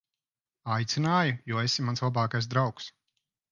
Aicināju, jo esi mans labākais draugs.